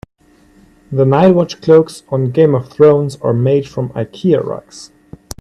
The night watch cloaks on Game of Thrones are made from Ikea rugs.